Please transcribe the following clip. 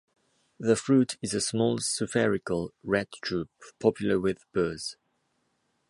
The fruit is a small spherical red drupe, popular with birds.